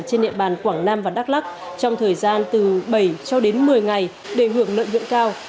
trên địa bàn quảng nam và đắk lắc trong thời gian từ bảy cho đến một mươi ngày để hưởng lợi nhuận cao